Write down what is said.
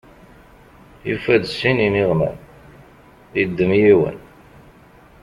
Yufa-d sin iniɣman, yeddem yiwen.